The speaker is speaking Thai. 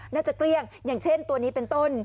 เกลี้ยงอย่างเช่นตัวนี้เป็นต้น